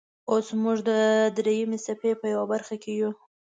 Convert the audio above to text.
اوس موږ د دریمې څپې په یوه برخې کې یو.